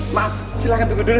maaf silahkan tunggu dulu